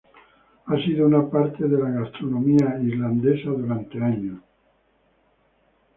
Ha sido una parte de la gastronomía islandesa durante siglos.